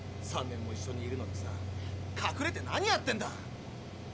３年も一緒にいるのにさかくれて何やってんだ！